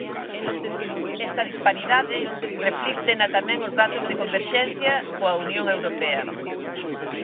Esta disparidade reflíctena tamén os datos de converxencia coa Unión Europea.